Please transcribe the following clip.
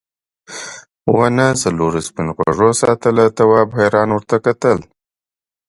ونه څلورو سپین غوږو ساتله تواب حیران ورته وکتل.